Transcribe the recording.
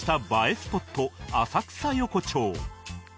スポット浅草横町